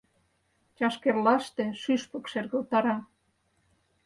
Чашкерлаште шӱшпык шергылтара.